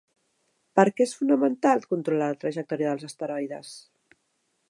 Per què és fonamental controlar la trajectòria dels asteroides?